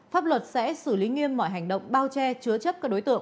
pháp luật sẽ xử lý nghiêm mọi hành động bao che chứa chấp các đối tượng